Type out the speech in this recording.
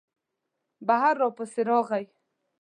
بهر را پسې راغی.